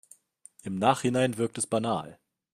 Im Nachhinein wirkt es banal.